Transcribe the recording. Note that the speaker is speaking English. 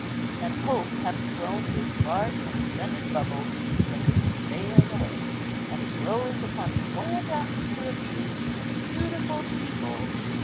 And hope having blown this large and splendid bubble, sent it sailing away, and it rose upon the buoyant atmosphere of youth, beautiful to behold.